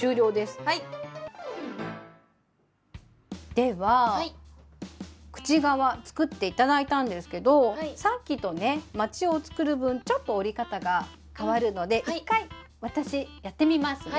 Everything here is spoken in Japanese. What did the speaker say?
では口側作って頂いたんですけどさっきとねまちを作る分ちょっと折り方がかわるので１回私やってみますね。